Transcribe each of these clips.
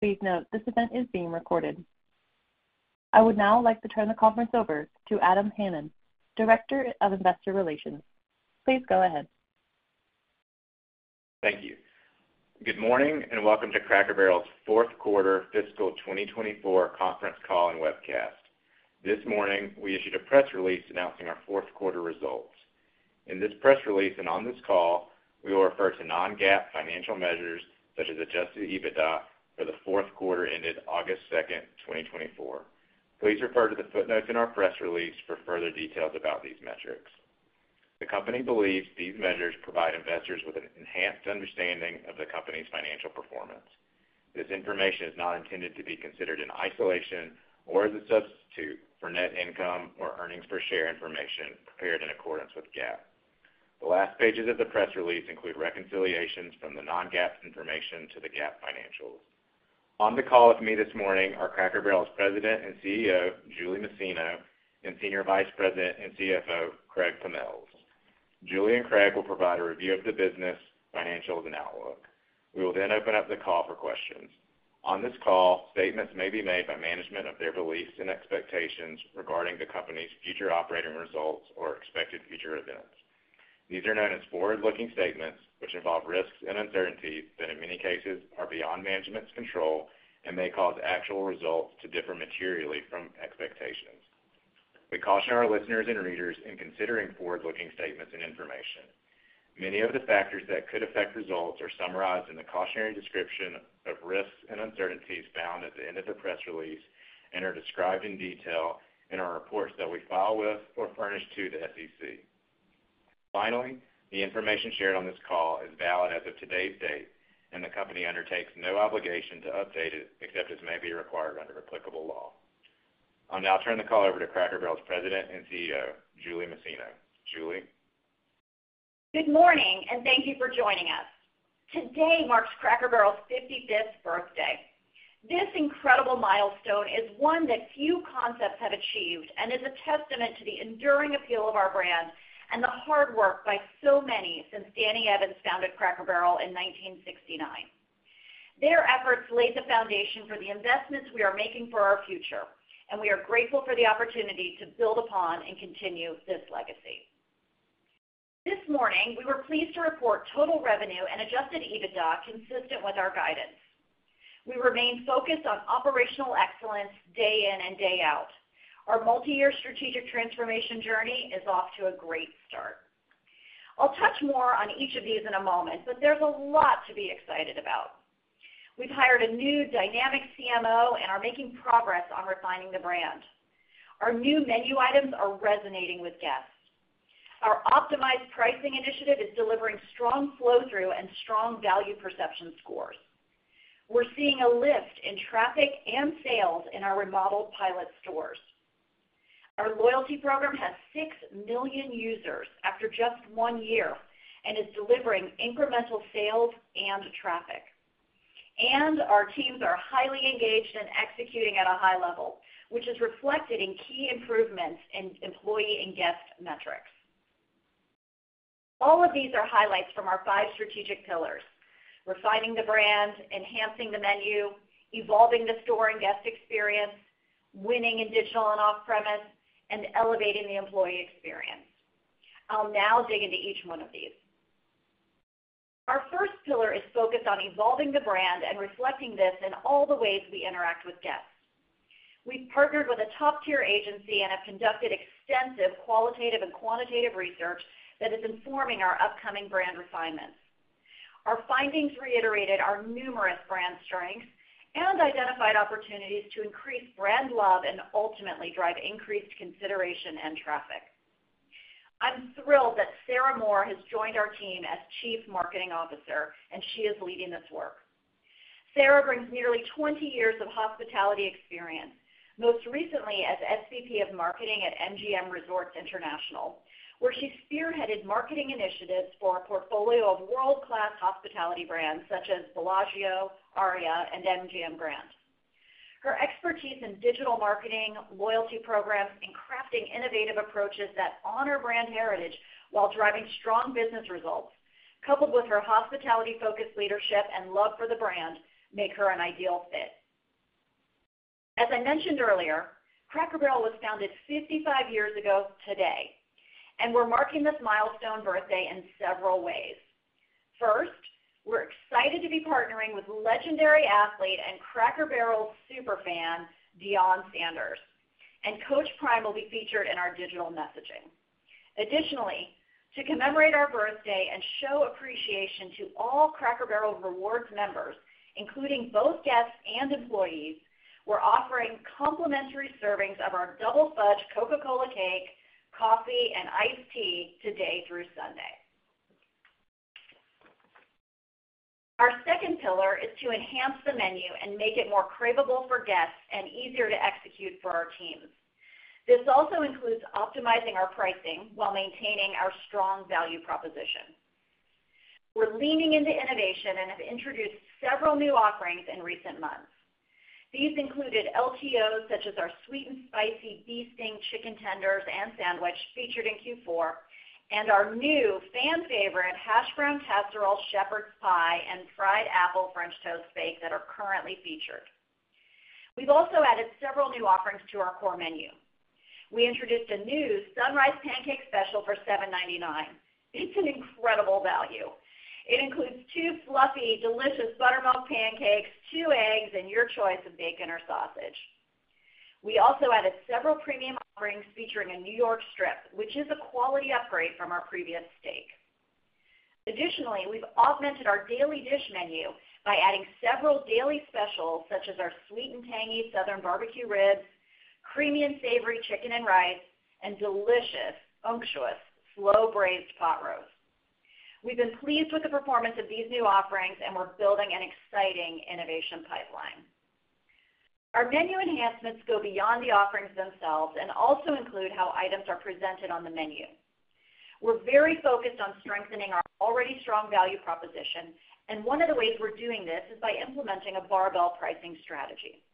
Please note, this event is being recorded. I would now like to turn the conference over to Adam Hanan, Director of Investor Relations. Please go ahead. Thank you. Good morning, and welcome to Cracker Barrel's fourth quarter fiscal 2024 conference call and webcast. This morning, we issued a press release announcing our fourth quarter results. In this press release and on this call, we will refer to non-GAAP financial measures, such as Adjusted EBITDA, for the fourth quarter ended August 2, 2024. Please refer to the footnotes in our press release for further details about these metrics. The company believes these measures provide investors with an enhanced understanding of the company's financial performance. This information is not intended to be considered in isolation or as a substitute for net income or earnings per share information prepared in accordance with GAAP. The last pages of the press release include reconciliations from the non-GAAP information to the GAAP financials. On the call with me this morning are Cracker Barrel's President and CEO, Julie Masino, and Senior Vice President and CFO, Craig Pommells. Julie and Craig will provide a review of the business, financials, and outlook. We will then open up the call for questions. On this call, statements may be made by management of their beliefs and expectations regarding the company's future operating results or expected future events. These are known as forward-looking statements, which involve risks and uncertainties that, in many cases, are beyond management's control and may cause actual results to differ materially from expectations. We caution our listeners and readers in considering forward-looking statements and information. Many of the factors that could affect results are summarized in the cautionary description of risks and uncertainties found at the end of the press release and are described in detail in our reports that we file with or furnish to the SEC. Finally, the information shared on this call is valid as of today's date, and the company undertakes no obligation to update it except as may be required under applicable law. I'll now turn the call over to Cracker Barrel's President and CEO, Julie Masino. Julie? Good morning, and thank you for joining us. Today marks Cracker Barrel's fifty-fifth birthday. This incredible milestone is one that few concepts have achieved and is a testament to the enduring appeal of our brand and the hard work by so many since Dan Evins founded Cracker Barrel in nineteen sixty-nine. Their efforts laid the foundation for the investments we are making for our future, and we are grateful for the opportunity to build upon and continue this legacy. This morning, we were pleased to report total revenue and Adjusted EBITDA consistent with our guidance. We remain focused on operational excellence day in and day out. Our multiyear strategic transformation journey is off to a great start. I'll touch more on each of these in a moment, but there's a lot to be excited about. We've hired a new dynamic CMO and are making progress on refining the brand. Our new menu items are resonating with guests. Our optimized pricing initiative is delivering strong flow-through and strong value perception scores. We're seeing a lift in traffic and sales in our remodeled pilot stores. Our loyalty program has six million users after just one year and is delivering incremental sales and traffic. And our teams are highly engaged and executing at a high level, which is reflected in key improvements in employee and guest metrics. All of these are highlights from our five strategic pillars: refining the brand, enhancing the menu, evolving the store and guest experience, winning in digital and off-premise, and elevating the employee experience. I'll now dig into each one of these. Our first pillar is focused on evolving the brand and reflecting this in all the ways we interact with guests. We've partnered with a top-tier agency and have conducted extensive qualitative and quantitative research that is informing our upcoming brand refinements. Our findings reiterated our numerous brand strengths and identified opportunities to increase brand love and ultimately drive increased consideration and traffic. I'm thrilled that Sarah Moore has joined our team as Chief Marketing Officer, and she is leading this work. Sarah brings nearly twenty years of hospitality experience, most recently as SVP of Marketing at MGM Resorts International, where she spearheaded marketing initiatives for a portfolio of world-class hospitality brands such as Bellagio, Aria, and MGM Grand. Her expertise in digital marketing, loyalty programs, and crafting innovative approaches that honor brand heritage while driving strong business results, coupled with her hospitality-focused leadership and love for the brand, make her an ideal fit. As I mentioned earlier, Cracker Barrel was founded fifty-five years ago today, and we're marking this milestone birthday in several ways. First, we're excited to be partnering with legendary athlete and Cracker Barrel super fan, Deion Sanders, and Coach Prime will be featured in our digital messaging. Additionally, to commemorate our birthday and show appreciation to all Cracker Barrel Rewards members, including both guests and employees, we're offering complimentary servings of our Double Fudge Coca-Cola Cake, coffee, and iced tea today through Sunday. Our second pillar is to enhance the menu and make it more cravable for guests and easier to execute for our teams. This also includes optimizing our pricing while maintaining our strong value proposition. We're leaning into innovation and have introduced several new offerings in recent months.... These included LTOs, such as our sweet and spicy Bee Sting Chicken Tenders and Sandwich featured in Q4, and our new fan favorite Hash Brown Casserole Shepherd's Pie, and Fried Apple French Toast Bake that are currently featured. We've also added several new offerings to our core menu. We introduced a new Sunrise Pancake Special for $7.99. It's an incredible value. It includes two fluffy, delicious buttermilk pancakes, two eggs, and your choice of bacon or sausage. We also added several premium offerings featuring a New York strip, which is a quality upgrade from our previous steak. Additionally, we've augmented our daily dish menu by adding several daily specials, such as our sweet and tangy Southern barbecue ribs, creamy and savory chicken and rice, and delicious, unctuous, slow-braised pot roast. We've been pleased with the performance of these new offerings, and we're building an exciting innovation pipeline. Our menu enhancements go beyond the offerings themselves and also include how items are presented on the menu. We're very focused on strengthening our already strong value proposition, and one of the ways we're doing this is by implementing a barbell pricing strategy.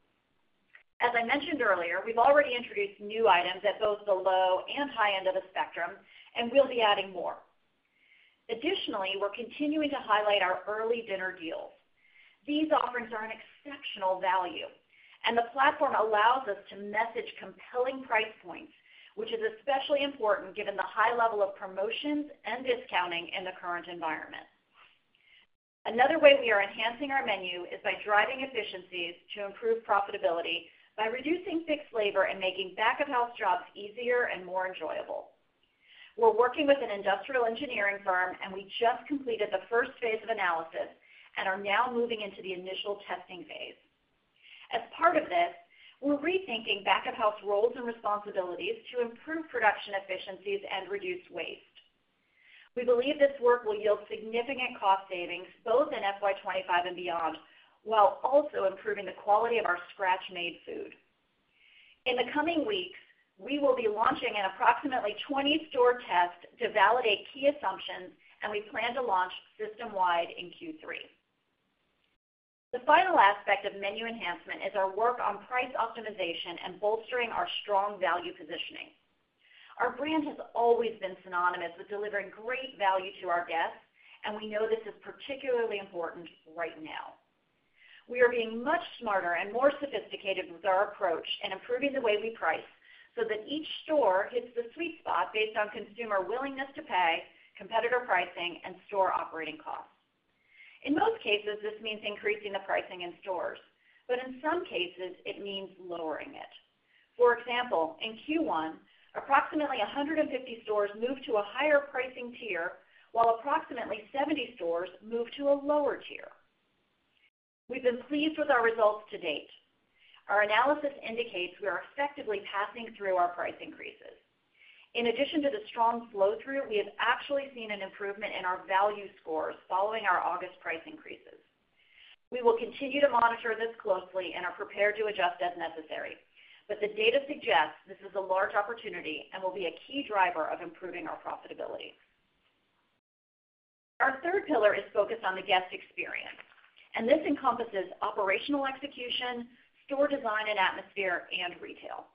As I mentioned earlier, we've already introduced new items at both the low and high end of the spectrum, and we'll be adding more. Additionally, we're continuing to highlight our early dinner deals. These offerings are an exceptional value, and the platform allows us to message compelling price points, which is especially important given the high level of promotions and discounting in the current environment. Another way we are enhancing our menu is by driving efficiencies to improve profitability, by reducing fixed labor and making back-of-house jobs easier and more enjoyable. We're working with an industrial engineering firm, and we just completed the first phase of analysis and are now moving into the initial testing phase. As part of this, we're rethinking back-of-house roles and responsibilities to improve production efficiencies and reduce waste. We believe this work will yield significant cost savings both in FY 2025 and beyond, while also improving the quality of our scratch-made food. In the coming weeks, we will be launching an approximately 20-store test to validate key assumptions, and we plan to launch system-wide in Q3. The final aspect of menu enhancement is our work on price optimization and bolstering our strong value positioning. Our brand has always been synonymous with delivering great value to our guests, and we know this is particularly important right now. We are being much smarter and more sophisticated with our approach in improving the way we price, so that each store hits the sweet spot based on consumer willingness to pay, competitor pricing, and store operating costs. In most cases, this means increasing the pricing in stores, but in some cases, it means lowering it. For example, in Q1, approximately 150 stores moved to a higher pricing tier, while approximately 70 stores moved to a lower tier. We've been pleased with our results to date. Our analysis indicates we are effectively passing through our price increases. In addition to the strong flow-through, we have actually seen an improvement in our value scores following our August price increases. We will continue to monitor this closely and are prepared to adjust as necessary, but the data suggests this is a large opportunity and will be a key driver of improving our profitability. Our third pillar is focused on the guest experience, and this encompasses operational execution, store design and atmosphere, and retail.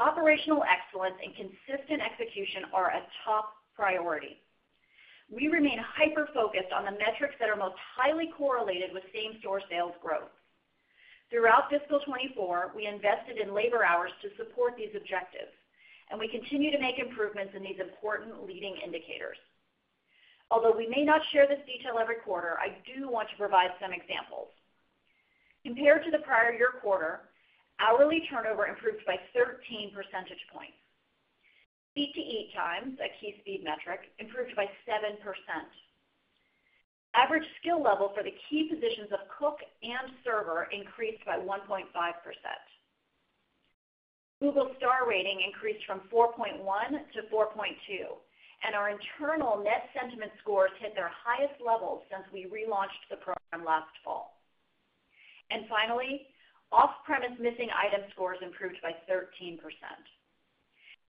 Operational excellence and consistent execution are a top priority. We remain hyper-focused on the metrics that are most highly correlated with same-store sales growth. Throughout fiscal 2024, we invested in labor hours to support these objectives, and we continue to make improvements in these important leading indicators. Although we may not share this detail every quarter, I do want to provide some examples. Compared to the prior year quarter, hourly turnover improved by 13 percentage points. Seat-to-Eat Times, a key speed metric, improved by 7%. Average skill level for the key positions of cook and server increased by 1.5%. Google star rating increased from 4.1 to 4.2, and our internal net sentiment scores hit their highest levels since we relaunched the program last fall. And finally, off-premise missing item scores improved by 13%.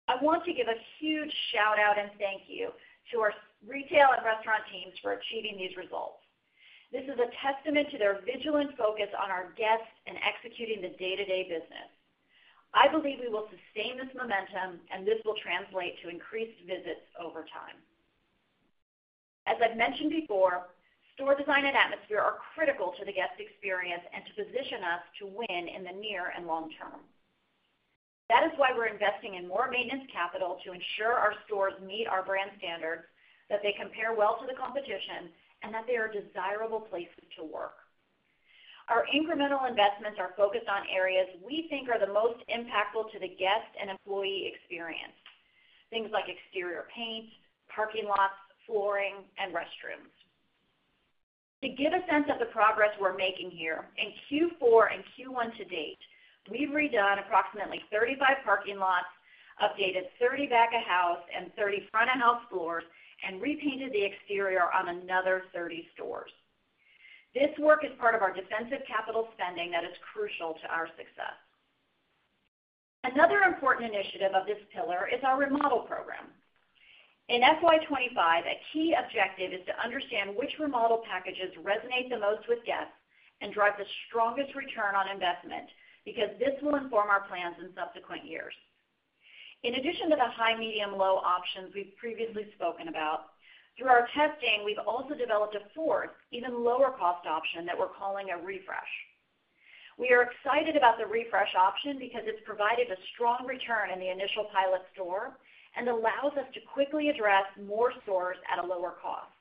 I want to give a huge shout-out and thank you to our retail and restaurant teams for achieving these results. This is a testament to their vigilant focus on our guests and executing the day-to-day business. I believe we will sustain this momentum, and this will translate to increased visits over time. As I've mentioned before, store design and atmosphere are critical to the guest experience and to position us to win in the near and long term. That is why we're investing in more maintenance capital to ensure our stores meet our brand standards, that they compare well to the competition, and that they are desirable places to work. Our incremental investments are focused on areas we think are the most impactful to the guest and employee experience. Things like exterior paint, parking lots, flooring, and restrooms. To give a sense of the progress we're making here, in Q4 and Q1 to date, we've redone approximately 35 parking lots, updated 30 back-of-house and 30 front-of-house floors, and repainted the exterior on another 30 stores. This work is part of our defensive capital spending that is crucial to our success. Another important initiative of this pillar is our remodel program. In FY 2025, a key objective is to understand which remodel packages resonate the most with guests and drive the strongest return on investment, because this will inform our plans in subsequent years. In addition to the high, medium, low options we've previously spoken about, through our testing, we've also developed a fourth, even lower cost option that we're calling a refresh. We are excited about the refresh option because it's provided a strong return in the initial pilot store and allows us to quickly address more stores at a lower cost.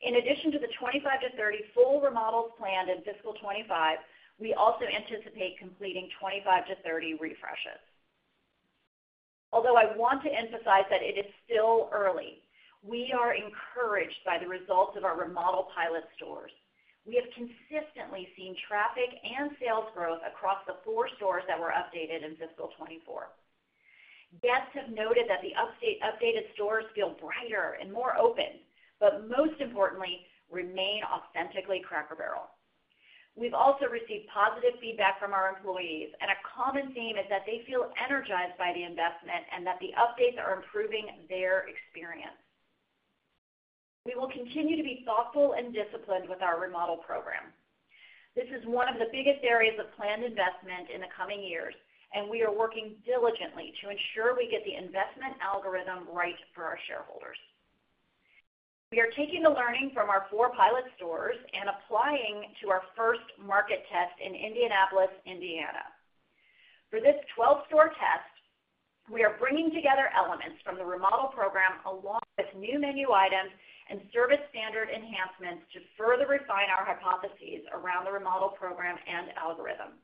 In addition to the 25-30 full remodels planned in fiscal 2025, we also anticipate completing 25-30 refreshes. Although I want to emphasize that it is still early, we are encouraged by the results of our remodel pilot stores. We have consistently seen traffic and sales growth across the four stores that were updated in Fiscal 2024. Guests have noted that the updated stores feel brighter and more open, but most importantly, remain authentically Cracker Barrel. We've also received positive feedback from our employees, and a common theme is that they feel energized by the investment and that the updates are improving their experience. We will continue to be thoughtful and disciplined with our remodel program. This is one of the biggest areas of planned investment in the coming years, and we are working diligently to ensure we get the investment algorithm right for our shareholders. We are taking the learning from our four pilot stores and applying to our first market test in Indianapolis, Indiana. For this 12-store test, we are bringing together elements from the remodel program, along with new menu items and service standard enhancements, to further refine our hypotheses around the remodel program and algorithm.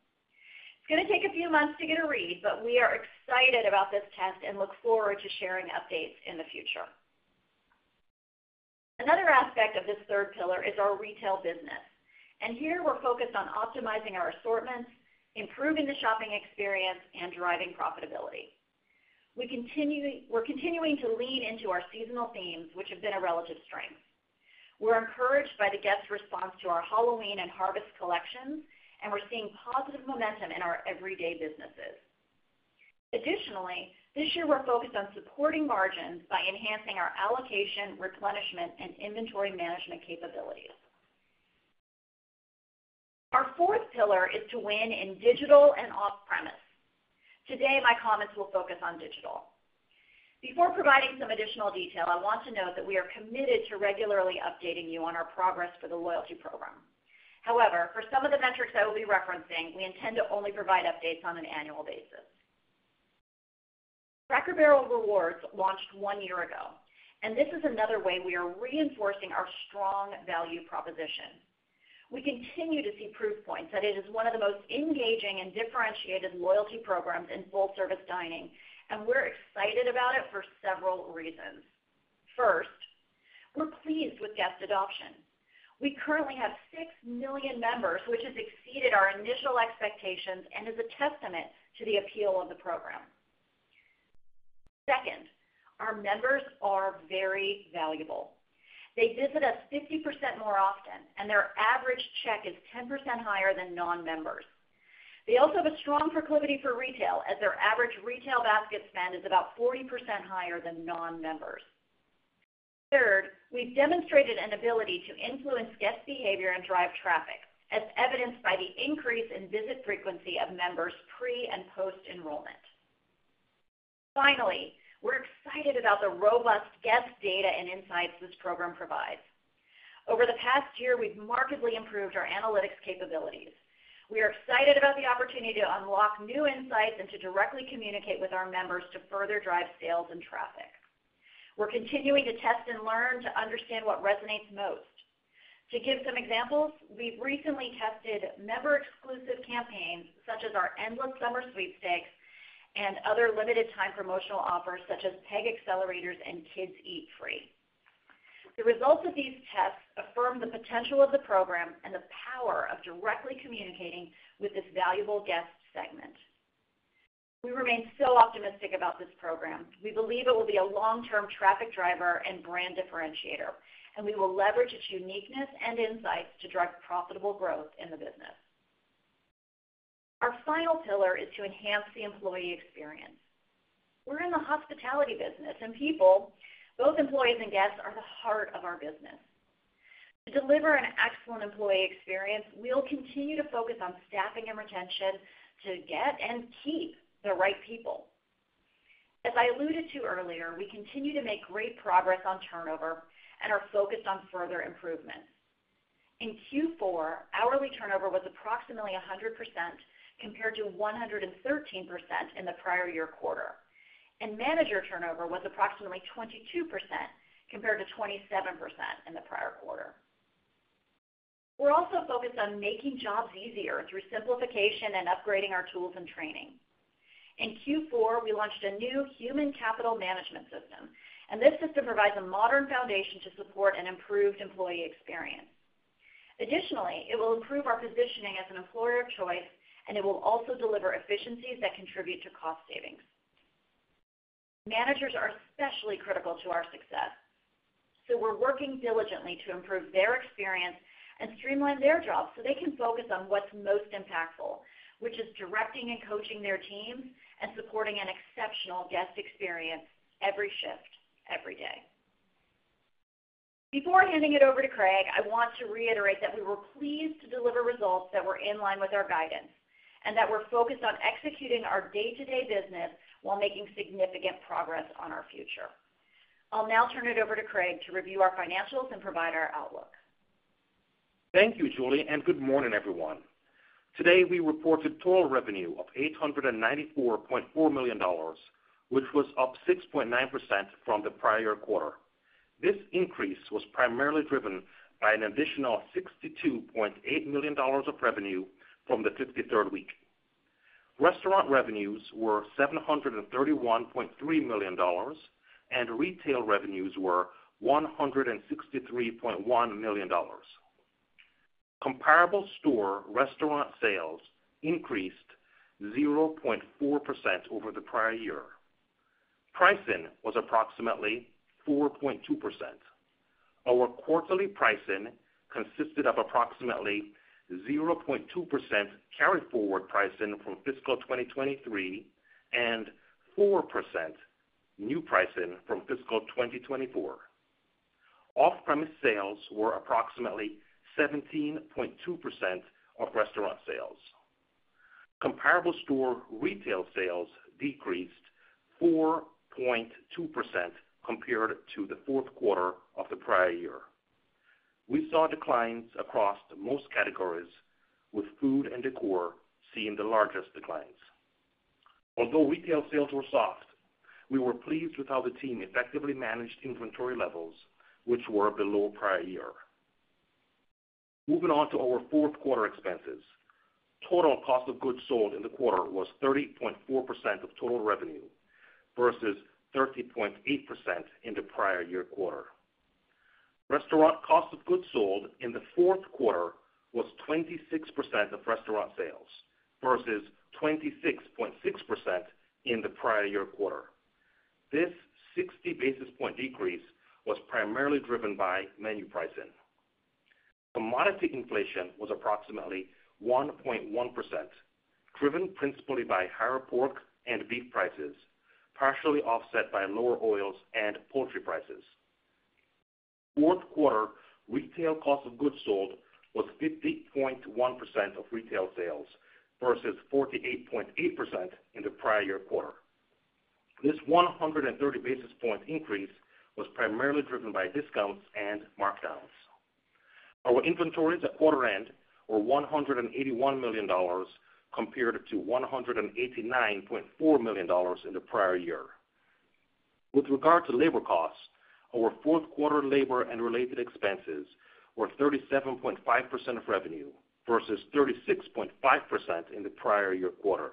It's gonna take a few months to get a read, but we are excited about this test and look forward to sharing updates in the future. Another aspect of this third pillar is our retail business, and here we're focused on optimizing our assortments, improving the shopping experience and driving profitability. We're continuing to lean into our seasonal themes, which have been a relative strength. We're encouraged by the guests' response to our Halloween and harvest collections, and we're seeing positive momentum in our everyday businesses. Additionally, this year, we're focused on supporting margins by enhancing our allocation, replenishment, and inventory management capabilities. Our fourth pillar is to win in digital and off-premise. Today, my comments will focus on digital. Before providing some additional detail, I want to note that we are committed to regularly updating you on our progress for the loyalty program. However, for some of the metrics I will be referencing, we intend to only provide updates on an annual basis. Cracker Barrel Rewards launched one year ago, and this is another way we are reinforcing our strong value proposition. We continue to see proof points that it is one of the most engaging and differentiated loyalty programs in full-service dining, and we're excited about it for several reasons. First, we're pleased with guest adoption. We currently have 6 million members, which has exceeded our initial expectations and is a testament to the appeal of the program. Second, our members are very valuable. They visit us 50% more often, and their average check is 10% higher than non-members. They also have a strong proclivity for retail, as their average retail basket spend is about 40% higher than non-members. Third, we've demonstrated an ability to influence guest behavior and drive traffic, as evidenced by the increase in visit frequency of members pre- and post-enrollment. Finally, we're excited about the robust guest data and insights this program provides. Over the past year, we've markedly improved our analytics capabilities. We are excited about the opportunity to unlock new insights and to directly communicate with our members to further drive sales and traffic. We're continuing to test and learn to understand what resonates most. To give some examples, we've recently tested member-exclusive campaigns such as our Endless Summer Sweepstakes and other limited-time promotional offers, such as Peg Accelerators and Kids Eat Free. The results of these tests affirm the potential of the program and the power of directly communicating with this valuable guest segment. We remain so optimistic about this program. We believe it will be a long-term traffic driver and brand differentiator, and we will leverage its uniqueness and insights to drive profitable growth in the business. Our final pillar is to enhance the employee experience. We're in the hospitality business, and people, both employees and guests, are the heart of our business. To deliver an excellent employee experience, we'll continue to focus on staffing and retention to get and keep the right people. As I alluded to earlier, we continue to make great progress on turnover and are focused on further improvements. In Q4, hourly turnover was approximately 100%, compared to 113% in the prior year quarter, and manager turnover was approximately 22%, compared to 27% in the prior quarter. We're also focused on making jobs easier through simplification and upgrading our tools and training. In Q4, we launched a new human capital management system, and this system provides a modern foundation to support an improved employee experience. Additionally, it will improve our positioning as an employer of choice, and it will also deliver efficiencies that contribute to cost savings. Managers are especially critical to our success, so we're working diligently to improve their experience and streamline their jobs, so they can focus on what's most impactful, which is directing and coaching their teams and supporting an exceptional guest experience every shift, every day. Before handing it over to Craig, I want to reiterate that we were pleased to deliver results that were in line with our guidance, and that we're focused on executing our day-to-day business while making significant progress on our future. I'll now turn it over to Craig to review our financials and provide our outlook. Thank you, Julie, and good morning, everyone. Today, we reported total revenue of $894.4 million, which was up 6.9% from the prior quarter. This increase was primarily driven by an additional $62.8 million of revenue from the 53rd week. Restaurant revenues were $731.3 million, and retail revenues were $163.1 million. Comparable store restaurant sales increased 0.4% over the prior year. Pricing was approximately 4.2%. Our quarterly pricing consisted of approximately 0.2% carry forward pricing from fiscal 2023, and 4% new pricing from fiscal 2024. Off-premise sales were approximately 17.2% of restaurant sales. Comparable store retail sales decreased 4.2% compared to the fourth quarter of the prior year. We saw declines across most categories, with food and decor seeing the largest declines. Although retail sales were soft, we were pleased with how the team effectively managed inventory levels, which were below prior year. Moving on to our fourth quarter expenses. Total cost of goods sold in the quarter was 30.4% of total revenue, versus 30.8% in the prior year quarter. Restaurant cost of goods sold in the fourth quarter was 26% of restaurant sales, versus 26.6% in the prior year quarter. This 60 basis point decrease was primarily driven by menu pricing. Commodity inflation was approximately 1.1%, driven principally by higher pork and beef prices, partially offset by lower oils and poultry prices. Fourth quarter retail cost of goods sold was 50.1% of retail sales, versus 48.8% in the prior year quarter. This 130 basis points increase was primarily driven by discounts and markdowns. Our inventories at quarter end were $181 million, compared to $189.4 million in the prior year. With regard to labor costs, our fourth quarter labor and related expenses were 37.5% of revenue, versus 36.5% in the prior year quarter.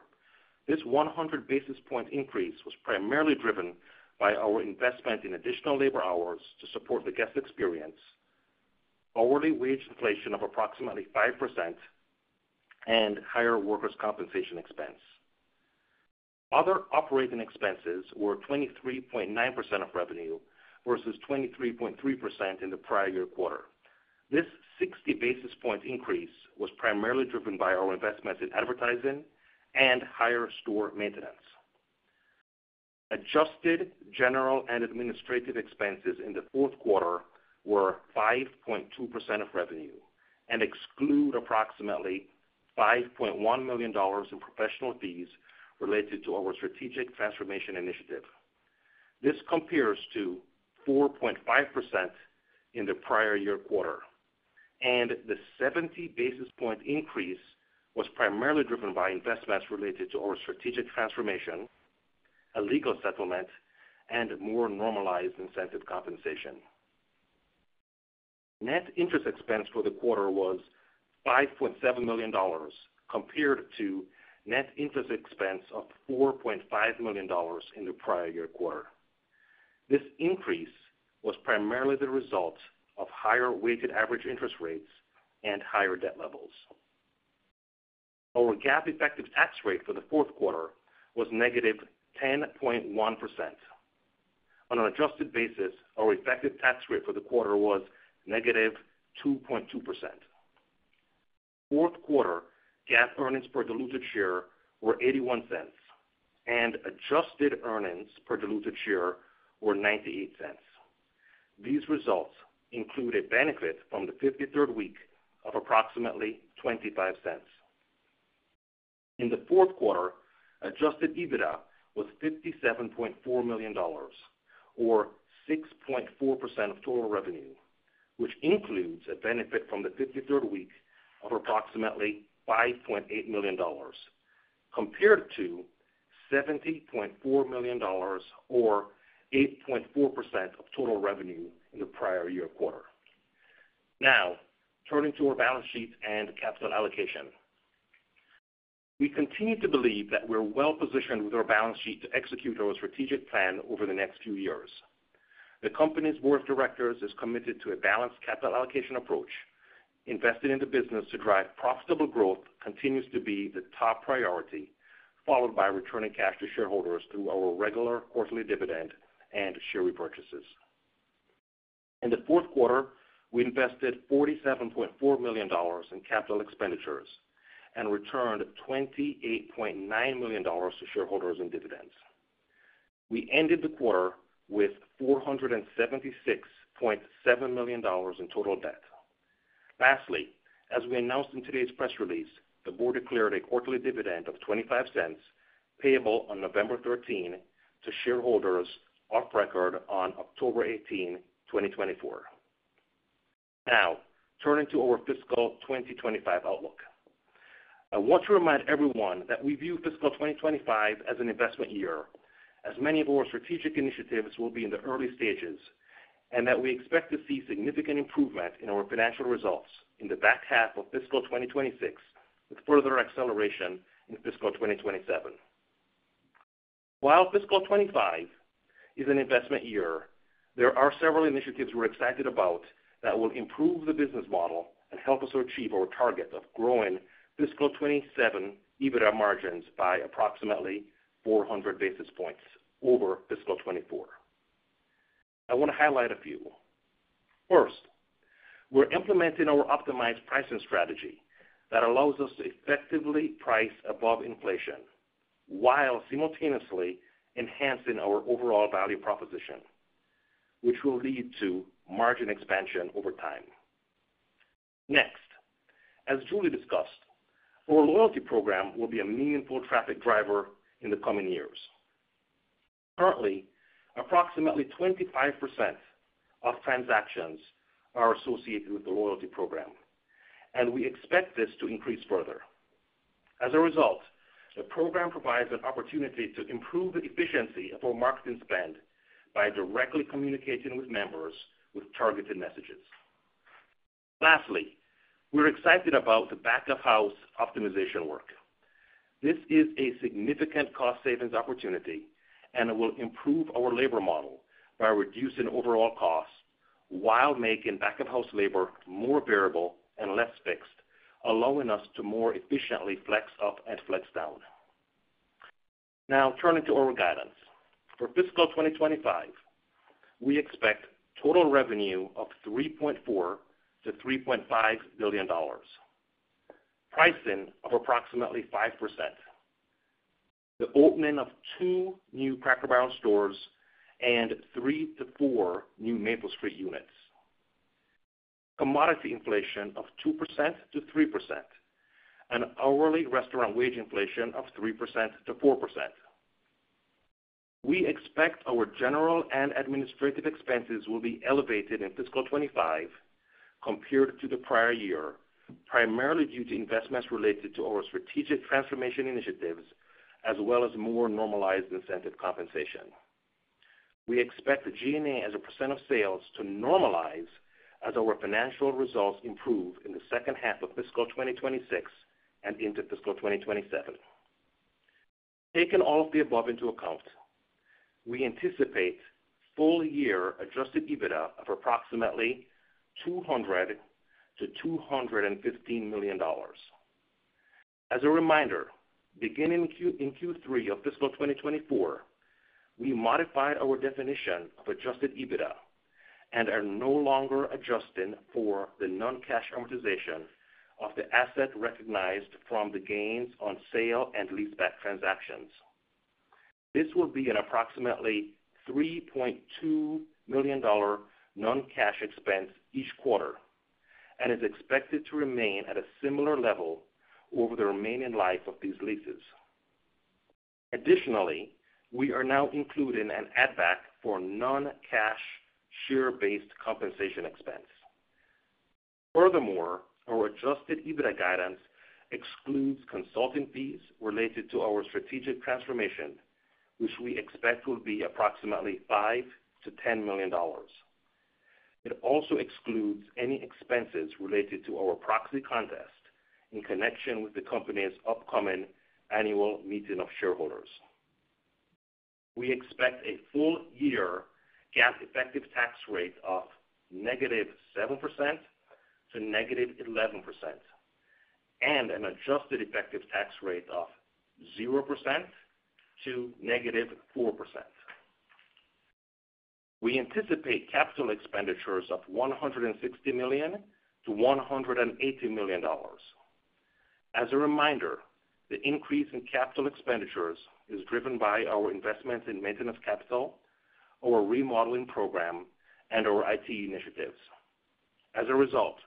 This 100 basis points increase was primarily driven by our investment in additional labor hours to support the guest experience, hourly wage inflation of approximately 5%, and higher workers' compensation expense. Other operating expenses were 23.9% of revenue, versus 23.3% in the prior year quarter. This 60 basis point increase was primarily driven by our investments in advertising and higher store maintenance. Adjusted General and Administrative Expenses in the fourth quarter were 5.2% of revenue, and exclude approximately $5.1 million in professional fees related to our strategic transformation initiative. This compares to 4.5% in the prior year quarter, and the 70 basis point increase was primarily driven by investments related to our strategic transformation, a legal settlement, and more normalized incentive compensation. Net interest expense for the quarter was $5.7 million, compared to net interest expense of $4.5 million in the prior year quarter. This increase was primarily the result of higher weighted average interest rates and higher debt levels. Our GAAP effective tax rate for the fourth quarter was negative 10.1%. On an adjusted basis, our effective tax rate for the quarter was negative 2.2%. Fourth quarter GAAP earnings per diluted share were $0.81, and adjusted earnings per diluted share were $0.98. These results include a benefit from the fifty-third week of approximately $0.25. In the fourth quarter, adjusted EBITDA was $57.4 million, or 6.4% of total revenue, which includes a benefit from the fifty-third week of approximately $5.8 million, compared to $70.4 million, or 8.4% of total revenue in the prior year quarter. Now, turning to our balance sheet and capital allocation. We continue to believe that we're well-positioned with our balance sheet to execute our strategic plan over the next few years. The company's board of directors is committed to a balanced capital allocation approach. Investing in the business to drive profitable growth continues to be the top priority, followed by returning cash to shareholders through our regular quarterly dividend and share repurchases. In the fourth quarter, we invested $47.4 million in capital expenditures and returned $28.9 million to shareholders in dividends. We ended the quarter with $476.7 million in total debt. Lastly, as we announced in today's press release, the board declared a quarterly dividend of $0.25, payable on November thirteen, to shareholders of record on October eighteen, 2024. Now, turning to our fiscal 2025 outlook. I want to remind everyone that we view Fiscal 2025 as an investment year, as many of our strategic initiatives will be in the early stages, and that we expect to see significant improvement in our financial results in the back half of Fiscal 2026, with further acceleration in Fiscal 2027. While Fiscal 2025 is an investment year, there are several initiatives we're excited about that will improve the business model and help us to achieve our target of growing Fiscal 2027 EBITDA margins by approximately four hundred basis points over Fiscal 2024. I want to highlight a few. First, we're implementing our optimized pricing strategy that allows us to effectively price above inflation while simultaneously enhancing our overall value proposition, which will lead to margin expansion over time. Next, as Julie discussed, our loyalty program will be a meaningful traffic driver in the coming years. Currently, approximately 25% of transactions are associated with the loyalty program, and we expect this to increase further. As a result, the program provides an opportunity to improve the efficiency of our marketing spend by directly communicating with members with targeted messages. Lastly, we're excited about the back-of-house optimization work. This is a significant cost savings opportunity, and it will improve our labor model by reducing overall costs while making back-of-house labor more variable and less fixed, allowing us to more efficiently flex up and flex down. Now, turning to our guidance. For Fiscal 2025, we expect total revenue of $3.4 billion-$3.5 billion, pricing of approximately 5%, the opening of 2 new Cracker Barrel stores and 3-4 new Maple Street units, commodity inflation of 2%-3%, and hourly restaurant wage inflation of 3%-4%. We expect our general and administrative expenses will be elevated in Fiscal 2025 compared to the prior year, primarily due to investments related to our strategic transformation initiatives, as well as more normalized incentive compensation. We expect the G&A as a % of sales to normalize as our financial results improve in the second half of Fiscal 2026 and into Fiscal 2027. Taking all of the above into account, we anticipate full-year Adjusted EBITDA of approximately $200 million-$215 million. As a reminder, beginning in Q3 of fiscal 2024, we modified our definition of Adjusted EBITDA and are no longer adjusting for the non-cash amortization of the asset recognized from the gains on sale and leaseback transactions. This will be an approximately $3.2 million non-cash expense each quarter and is expected to remain at a similar level over the remaining life of these leases. Additionally, we are now including an add-back for non-cash share-based compensation expense. Furthermore, our Adjusted EBITDA guidance excludes consulting fees related to our strategic transformation, which we expect will be approximately $5 million-$10 million. It also excludes any expenses related to our proxy contest in connection with the company's upcoming annual meeting of shareholders. We expect a full year GAAP effective tax rate of negative 7% to negative 11% and an adjusted effective tax rate of 0% to negative 4%. We anticipate capital expenditures of $160 million-$180 million. As a reminder, the increase in capital expenditures is driven by our investments in maintenance capital, our remodeling program, and our IT initiatives. As a result,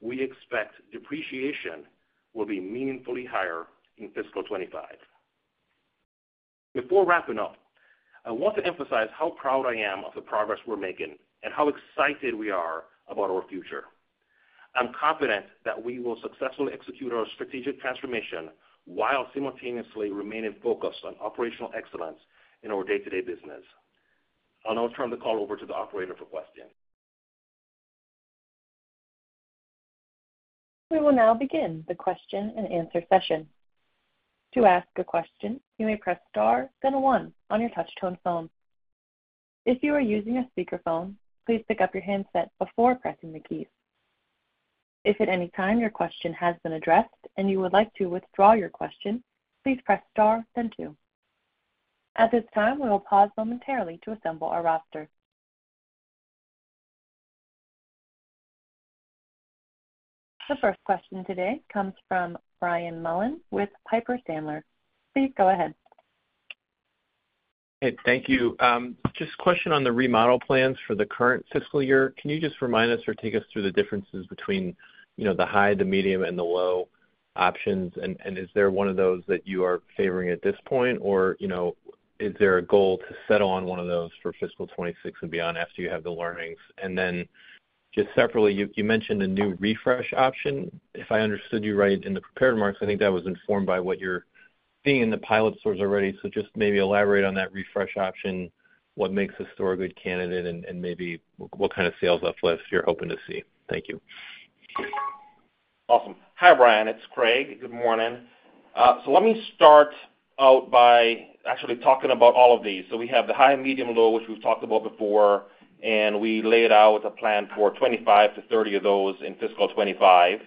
we expect depreciation will be meaningfully higher in fiscal 2025. Before wrapping up, I want to emphasize how proud I am of the progress we're making and how excited we are about our future. I'm confident that we will successfully execute our strategic transformation while simultaneously remaining focused on operational excellence in our day-to-day business. I'll now turn the call over to the operator. We will now begin the question-and-answer session. To ask a question, you may press star, then one on your touchtone phone. If you are using a speakerphone, please pick up your handset before pressing the keys. If at any time your question has been addressed and you would like to withdraw your question, please press star, then two. At this time, we will pause momentarily to assemble our roster. The first question today comes from Brian Mullan with Piper Sandler. Please go ahead. Hey, thank you. Just a question on the remodel plans for the current fiscal year. Can you just remind us or take us through the differences between, you know, the high, the medium, and the low options? And is there one of those that you are favoring at this point, or, you know, is there a goal to settle on one of those for fiscal 2026 and beyond after you have the learnings? And then, just separately, you mentioned a new refresh option. If I understood you right in the prepared remarks, I think that was informed by what you're seeing in the pilot stores already. So just maybe elaborate on that refresh option, what makes a store a good candidate, and maybe what kind of sales uplift you're hoping to see. Thank you. Awesome. Hi, Brian. It's Craig. Good morning, so let me start out by actually talking about all of these. So we have the high, medium, low, which we've talked about before, and we laid out a plan for 25 to 30 of those in fiscal 2025,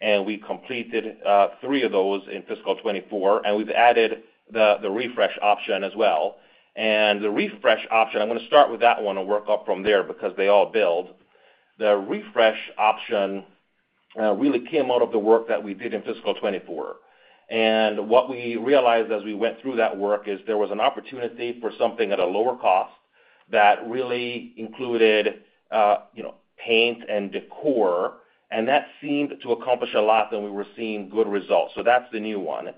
and we completed three of those in fiscal 2024, and we've added the refresh option as well, and the refresh option, I'm gonna start with that one and work up from there because they all build. The refresh option really came out of the work that we did in fiscal 2024, and what we realized as we went through that work is there was an opportunity for something at a lower cost that really included you know, paint and decor, and that seemed to accomplish a lot, and we were seeing good results, so that's the new one.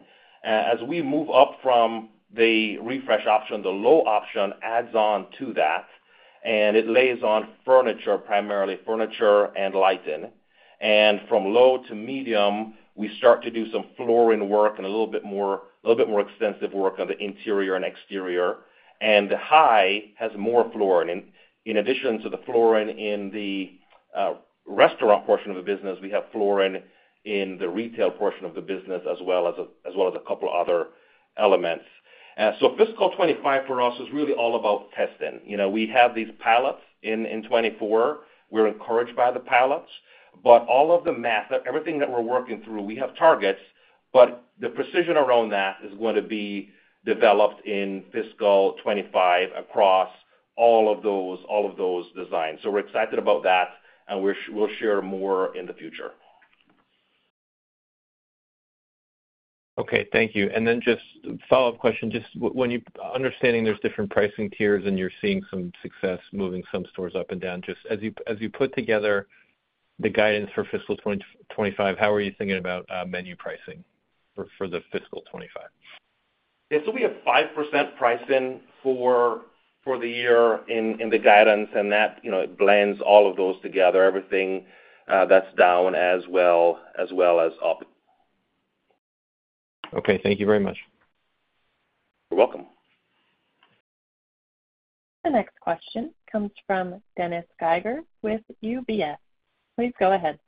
As we move up from the refresh option, the low option adds on to that, and it lays on furniture, primarily furniture and lighting. And from low to medium, we start to do some flooring work and a little bit more, a little bit more extensive work on the interior and exterior. And the high has more flooring. In addition to the flooring in the restaurant portion of the business, we have flooring in the retail portion of the business, as well as a couple other elements. So Fiscal 2025 for us is really all about testing. You know, we have these pilots in 2024. We're encouraged by the pilots, but all of the math... Everything that we're working through, we have targets, but the precision around that is going to be developed in fiscal 2025 across all of those designs. So we're excited about that, and we'll share more in the future. Okay, thank you. And then just a follow-up question. Just when you understand there's different pricing tiers and you're seeing some success moving some stores up and down, just as you put together the guidance for fiscal 2025, how are you thinking about menu pricing for fiscal 2025? Yeah, so we have 5% pricing for the year in the guidance, and that, you know, it blends all of those together, everything that's down as well as up. Okay, thank you very much. You're welcome. The next question comes from Dennis Geiger with UBS. Please go ahead.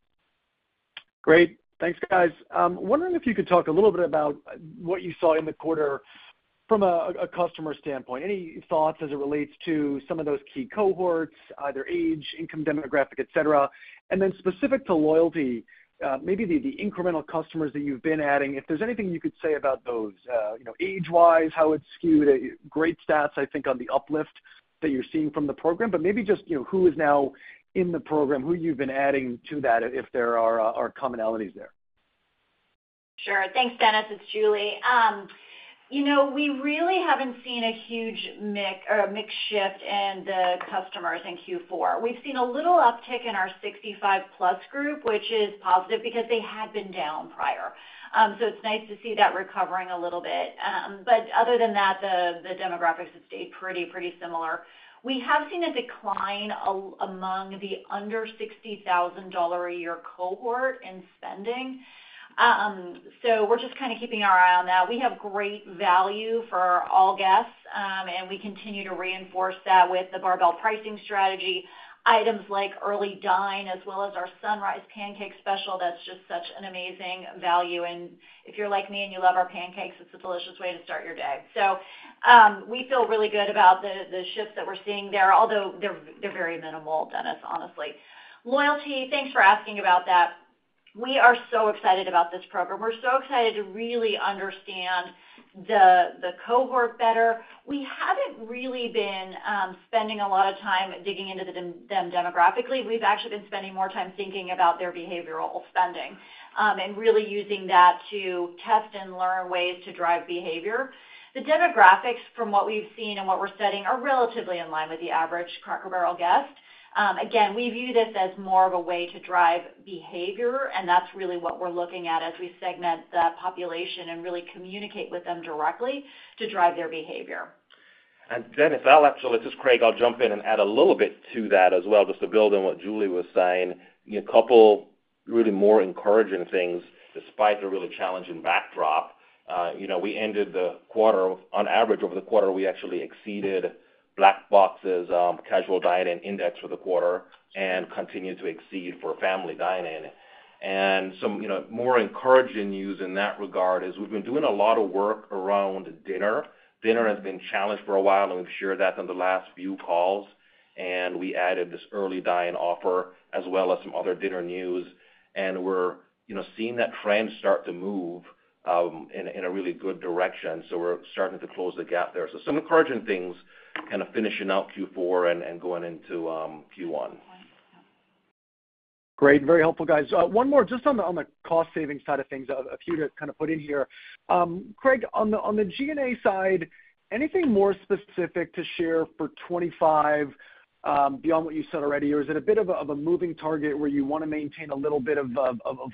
Great. Thanks, guys. Wondering if you could talk a little bit about what you saw in the quarter from a customer standpoint. Any thoughts as it relates to some of those key cohorts, either age, income, demographic, et cetera? And then specific to loyalty, maybe the incremental customers that you've been adding, if there's anything you could say about those, you know, age-wise, how it's skewed. Great stats, I think, on the uplift that you're seeing from the program, but maybe just, you know, who is now in the program, who you've been adding to that, if there are commonalities there. Sure. Thanks, Dennis. It's Julie. You know, we really haven't seen a huge mix or a mix shift in the customers in Q4. We've seen a little uptick in our sixty-five plus group, which is positive because they had been down prior. So it's nice to see that recovering a little bit. But other than that, the demographics have stayed pretty similar. We have seen a decline among the under $60,000 a year cohort in spending. So we're just kind of keeping our eye on that. We have great value for all guests, and we continue to reinforce that with the barbell pricing strategy. Items like Early Dine, as well as our Sunrise Pancake Special, that's just such an amazing value. If you're like me and you love our pancakes, it's a delicious way to start your day. We feel really good about the shifts that we're seeing there, although they're very minimal, Dennis, honestly. Loyalty, thanks for asking about that. We are so excited about this program. We're so excited to really understand the cohort better. We haven't really been spending a lot of time digging into them demographically. We've actually been spending more time thinking about their behavioral spending, and really using that to test and learn ways to drive behavior. The demographics, from what we've seen and what we're studying, are relatively in line with the average Cracker Barrel guest. Again, we view this as more of a way to drive behavior, and that's really what we're looking at as we segment the population and really communicate with them directly to drive their behavior. And Dennis, I'll actually... This is Craig. I'll jump in and add a little bit to that as well, just to build on what Julie was saying. A couple really more encouraging things, despite the really challenging backdrop. You know, we ended the quarter, on average, over the quarter, we actually exceeded Black Box's casual dining index for the quarter and continued to exceed for family dining. And some, you know, more encouraging news in that regard is we've been doing a lot of work around dinner. Dinner has been challenged for a while, and we've shared that on the last few calls, and we added this Early Dine offer, as well as some other dinner news. And we're, you know, seeing that trend start to move in a really good direction, so we're starting to close the gap there. So some encouraging things kind of finishing out Q4 and going into Q1. Great. Very helpful, guys. One more just on the, on the cost savings side of things, a few to kind of put in here. Craig, on the, on the G&A side, anything more specific to share for twenty-five, beyond what you said already? Or is it a bit of a moving target where you wanna maintain a little bit of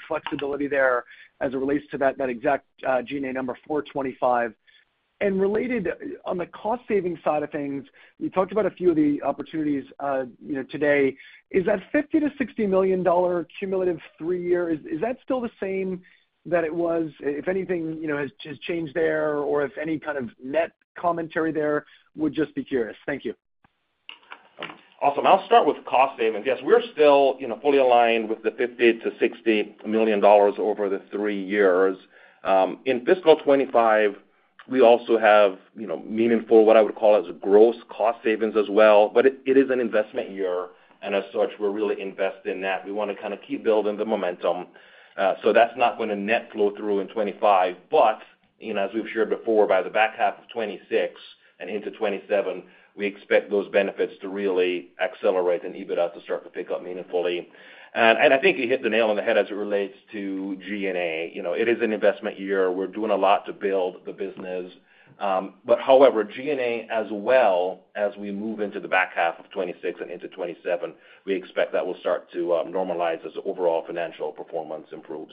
flexibility there as it relates to that exact G&A number for twenty-five? And related, on the cost savings side of things, you talked about a few of the opportunities, you know, today. Is that $50-$60 million cumulative three-year, is that still the same that it was, if anything, you know, has just changed there, or if any kind of net commentary there? Would just be curious. Thank you. Awesome. I'll start with cost savings. Yes, we're still, you know, fully aligned with the $50 million-$60 million over the three years. In fiscal 2025, we also have, you know, meaningful, what I would call as a gross cost savings as well. But it, it is an investment year, and as such, we're really invested in that. We wanna kind of keep building the momentum. So that's not gonna net flow through in 2025. But, you know, as we've shared before, by the back half of 2026 and into 2027, we expect those benefits to really accelerate and EBITDA to start to pick up meaningfully. And I think you hit the nail on the head as it relates to G&A. You know, it is an investment year. We're doing a lot to build the business. But however, G&A as well, as we move into the back half of 2026 and into 2027, we expect that will start to normalize as overall financial performance improves.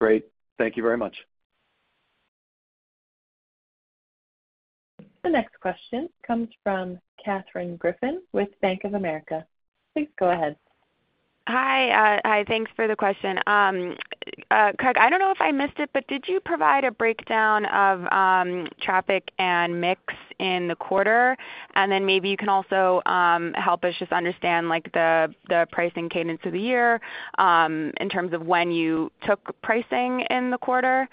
Great. Thank you very much. The next question comes from Katherine Griffin with Bank of America. Please go ahead. Hi, hi, thanks for the question. Craig, I don't know if I missed it, but did you provide a breakdown of traffic and mix in the quarter? And then maybe you can also help us just understand, like, the pricing cadence of the year, in terms of when you took pricing in the quarter.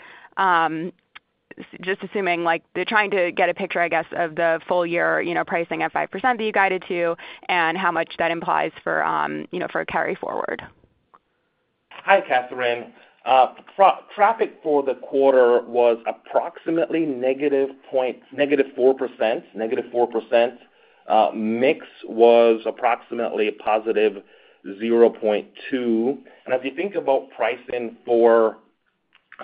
Just assuming, like, they're trying to get a picture, I guess, of the full year, you know, pricing at 5% that you guided to, and how much that implies for, you know, for a carry forward. Hi, Katherine. Traffic for the quarter was approximately negative 4%. Mix was approximately positive 0.2%. And as you think about pricing for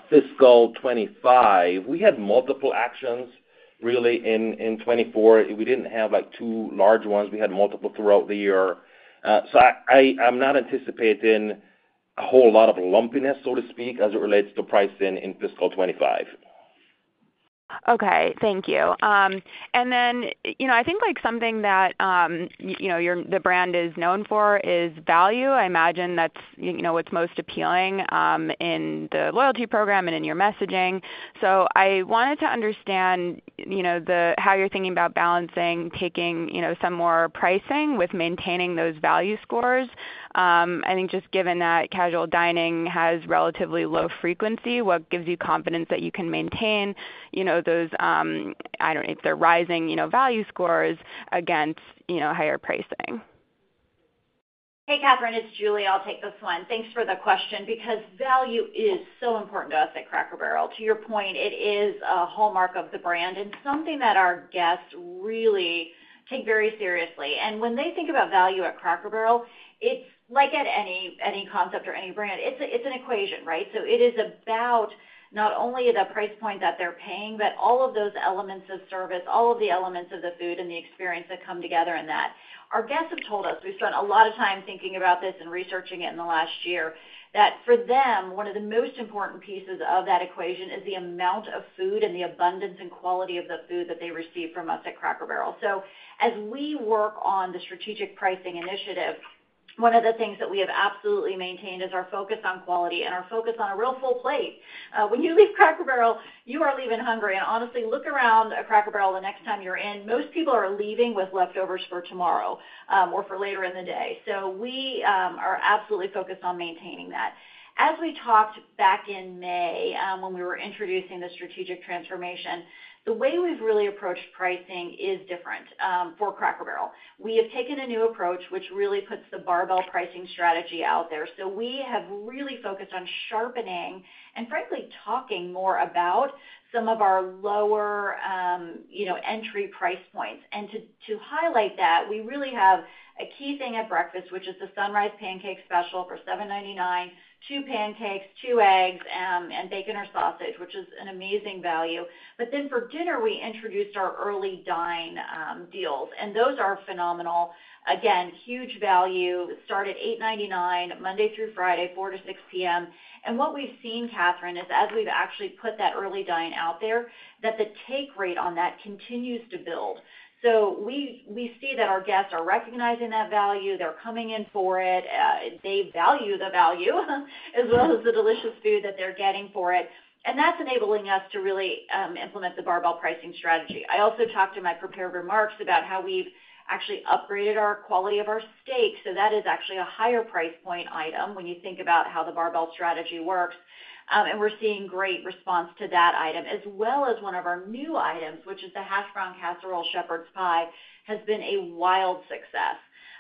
Fiscal 2025, we had multiple actions really in 2024. So I, I'm not anticipating a whole lot of lumpiness, so to speak, as it relates to pricing in Fiscal 2025. Okay. Thank you. And then, you know, I think like something that, you know, your, the brand is known for is value. I imagine that's, you know, what's most appealing in the loyalty program and in your messaging. So I wanted to understand, you know, the how you're thinking about balancing, taking, you know, some more pricing with maintaining those value scores. I think just given that casual dining has relatively low frequency, what gives you confidence that you can maintain, you know, those, I don't know if they're rising, you know, value scores against, you know, higher pricing? Hey, Katherine, it's Julie. I'll take this one. Thanks for the question, because value is so important to us at Cracker Barrel. To your point, it is a hallmark of the brand and something that our guests really take very seriously. And when they think about value at Cracker Barrel, it's like at any concept or any brand, it's an equation, right? So it is about not only the price point that they're paying, but all of those elements of service, all of the elements of the food and the experience that come together in that. Our guests have told us, we've spent a lot of time thinking about this and researching it in the last year, that for them, one of the most important pieces of that equation is the amount of food and the abundance and quality of the food that they receive from us at Cracker Barrel. So as we work on the strategic pricing initiative, one of the things that we have absolutely maintained is our focus on quality and our focus on a real full plate. When you leave Cracker Barrel, you aren't leaving hungry. And honestly, look around a Cracker Barrel the next time you're in, most people are leaving with leftovers for tomorrow, or for later in the day. So we are absolutely focused on maintaining that. As we talked back in May, when we were introducing the strategic transformation, the way we've really approached pricing is different for Cracker Barrel. We have taken a new approach, which really puts the barbell pricing strategy out there. So we have really focused on sharpening and, frankly, talking more about some of our lower, you know, entry price points. And to highlight that, we really have a key thing at breakfast, which is the Sunrise Pancake Special for $7.99, two pancakes, two eggs, and bacon or sausage, which is an amazing value. But then for dinner, we introduced our Early Dine deals, and those are phenomenal. Again, huge value, start at $8.99, Monday through Friday, 4:00 to 6:00 P.M. And what we've seen, Catherine, is as we've actually put that Early Dine out there, that the take rate on that continues to build. So we, we see that our guests are recognizing that value. They're coming in for it. They value the value as well as the delicious food that they're getting for it. And that's enabling us to really implement the barbell pricing strategy. I also talked in my prepared remarks about how we've actually upgraded our quality of our steak, so that is actually a higher price point item when you think about how the barbell pricing strategy works. And we're seeing great response to that item, as well as one of our new items, which is the Hash Brown Casserole Shepherd's Pie, has been a wild success.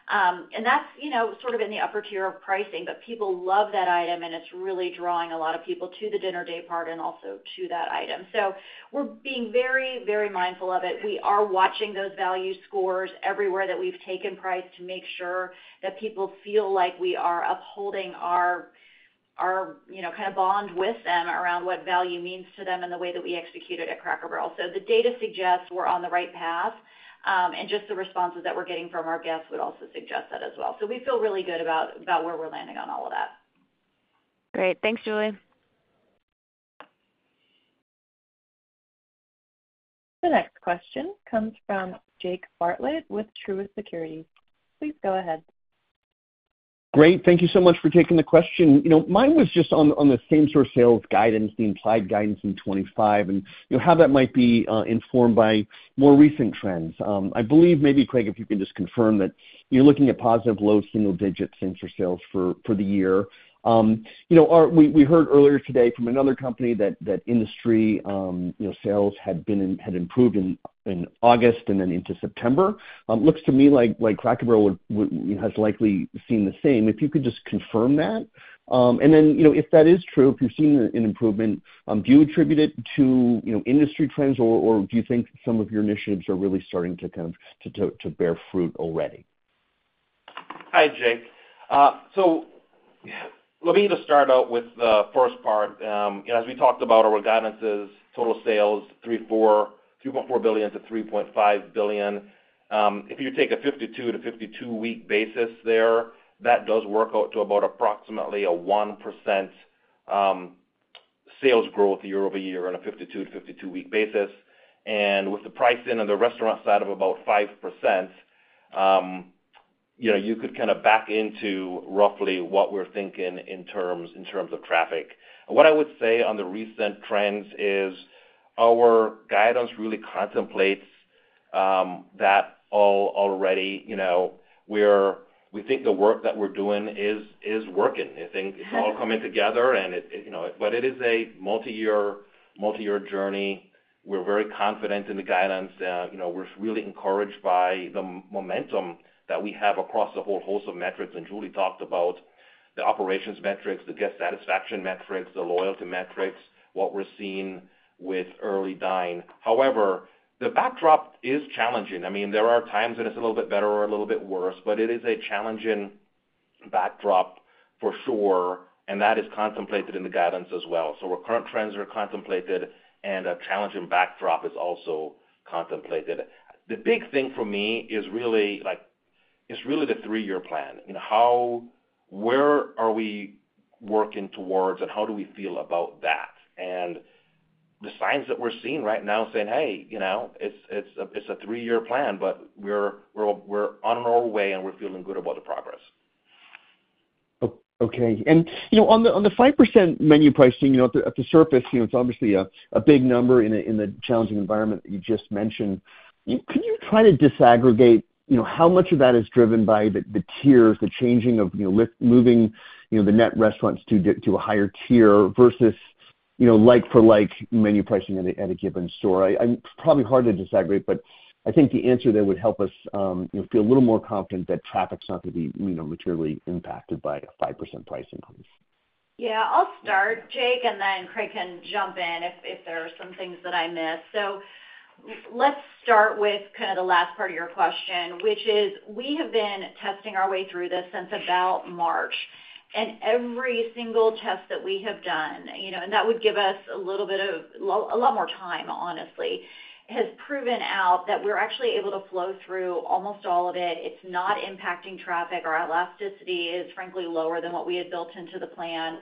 And that's, you know, sort of in the upper tier of pricing, but people love that item, and it's really drawing a lot of people to the dinner day part and also to that item. So we're being very, very mindful of it. We are watching those value scores everywhere that we've taken price to make sure that people feel like we are upholding our, you know, kind of bond with them around what value means to them and the way that we execute it at Cracker Barrel. So the data suggests we're on the right path, and just the responses that we're getting from our guests would also suggest that as well. So we feel really good about where we're landing on all of that. Great. Thanks, Julie. The next question comes from Jake Bartlett with Truist Securities. Please go ahead. Great, thank you so much for taking the question. You know, mine was just on the same store sales guidance, the implied guidance in 2025, and, you know, how that might be informed by more recent trends. I believe, maybe Craig, if you can just confirm, that you're looking at positive low single digits same store sales for the year. You know, we heard earlier today from another company that industry sales had improved in August and then into September. Looks to me like Cracker Barrel has likely seen the same. If you could just confirm that. And then, you know, if that is true, if you're seeing an improvement, do you attribute it to, you know, industry trends, or do you think some of your initiatives are really starting to kind of bear fruit already? Hi, Jake. So let me just start out with the first part. You know, as we talked about, our guidance is total sales $3.4 billion-$3.5 billion. If you take a fifty-two to fifty-two week basis there, that does work out to about approximately a 1% sales growth year over year on a fifty-two to fifty-two week basis. And with the price in on the restaurant side of about 5%, you know, you could kind of back into roughly what we're thinking in terms of traffic. What I would say on the recent trends is our guidance really contemplates that all already. You know, we think the work that we're doing is working. I think it's all coming together, and it, you know, but it is a multi-year journey. We're very confident in the guidance, and, you know, we're really encouraged by the momentum that we have across the whole host of metrics, and Julie talked about the operations metrics, the guest satisfaction metrics, the loyalty metrics, what we're seeing with Early Dine. However, the backdrop is challenging. I mean, there are times when it's a little bit better or a little bit worse, but it is a challenging backdrop for sure, and that is contemplated in the guidance as well, so our current trends are contemplated, and a challenging backdrop is also contemplated. The big thing for me is really, like, it's really the three-year plan and how, where are we working towards, and how do we feel about that? The signs that we're seeing right now saying, "Hey, you know, it's a three-year plan, but we're on our way, and we're feeling good about the progress. Okay, and, you know, on the 5% menu pricing, you know, at the surface, you know, it's obviously a big number in the challenging environment that you just mentioned. Can you try to disaggregate, you know, how much of that is driven by the tiers, the changing of, you know, lift moving, you know, the net restaurants to a higher tier versus, you know, like-for-like menu pricing at a given store? I'm probably hard to disaggregate, but I think the answer there would help us, you know, feel a little more confident that traffic's not going to be, you know, materially impacted by a 5% price increase. Yeah, I'll start, Jake, and then Craig can jump in if there are some things that I miss. So let's start with kind of the last part of your question, which is, we have been testing our way through this since about March, and every single test that we have done, you know, and that would give us a little bit of a lot more time, honestly, has proven out that we're actually able to flow through almost all of it. It's not impacting traffic. Our elasticity is, frankly, lower than what we had built into the plan.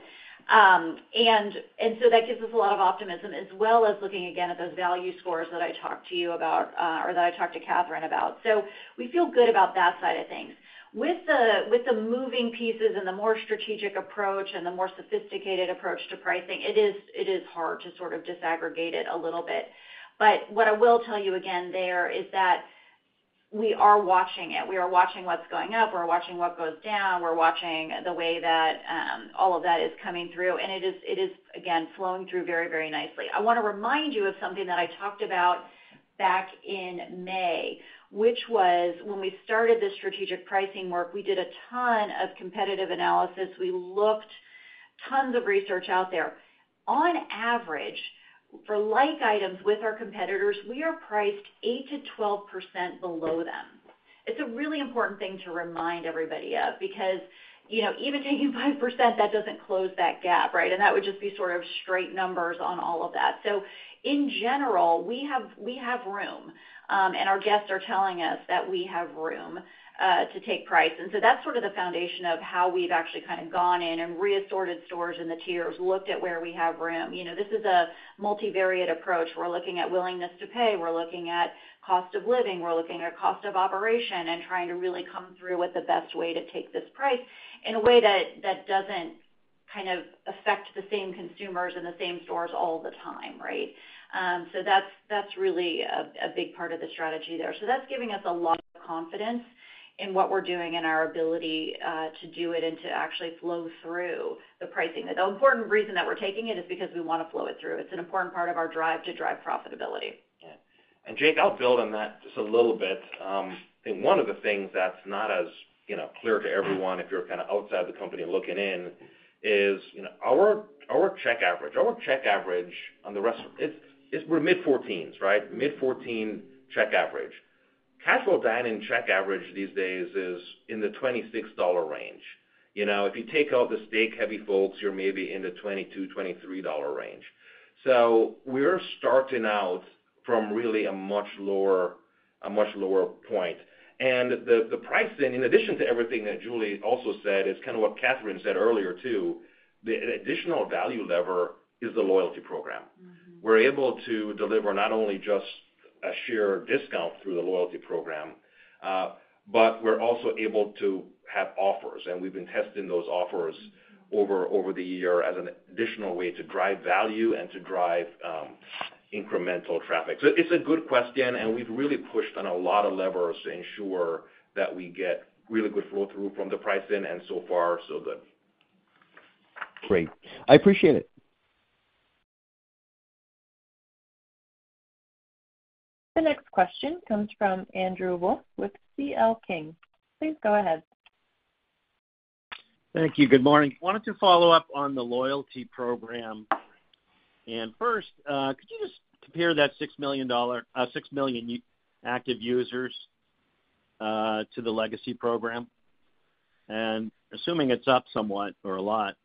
And so that gives us a lot of optimism, as well as looking again at those value scores that I talked to you about, or that I talked to Catherine about. So we feel good about that side of things. With the moving pieces and the more strategic approach and the more sophisticated approach to pricing, it is hard to sort of disaggregate it a little bit. But what I will tell you again there is that we are watching it. We are watching what's going up. We're watching what goes down. We're watching the way that all of that is coming through, and it is, again, flowing through very, very nicely. I wanna remind you of something that I talked about back in May, which was when we started this strategic pricing work, we did a ton of competitive analysis. We looked tons of research out there. On average, for like items with our competitors, we are priced 8%-12% below them. It's a really important thing to remind everybody of, because, you know, even taking 5%, that doesn't close that gap, right? And that would just be sort of straight numbers on all of that. So in general, we have room, and our guests are telling us that we have room to take price. And so that's sort of the foundation of how we've actually kind of gone in and reabsorbed stores in the tiers, looked at where we have room. You know, this is a multivariate approach. We're looking at willingness to pay. We're looking at cost of living. We're looking at cost of operation and trying to really come through with the best way to take this price in a way that doesn't kind of affect the same consumers in the same stores all the time, right? So that's really a big part of the strategy there. So that's giving us a lot of confidence in what we're doing and our ability to do it and to actually flow through the pricing. The important reason that we're taking it is because we wanna flow it through. It's an important part of our drive to drive profitability. Yeah. And Jake, I'll build on that just a little bit. I think one of the things that's not as, you know, clear to everyone, if you're kind of outside the company looking in, is, you know, our check average on the restaurant. It's we're mid-$14s, right? Mid-$14 check average. Casual dining check average these days is in the $26 range. You know, if you take out the steak heavy folks, you're maybe in the $22-$23 range. So we're starting out from really a much lower point. And the pricing, in addition to everything that Julie also said, is kind of what Catherine said earlier, too. The additional value lever is the loyalty program. We're able to deliver not only just a sheer discount through the loyalty program, but we're also able to have offers, and we've been testing those offers over the year as an additional way to drive value and to drive incremental traffic. So it's a good question, and we've really pushed on a lot of levers to ensure that we get really good flow-through from the pricing, and so far, so good. Great. I appreciate it. The next question comes from Andrew Wolf with C.L. King. Please go ahead. Thank you. Good morning. Wanted to follow up on the loyalty program. First, could you just compare that six million unique active users to the legacy program? And assuming it's up somewhat or a lot,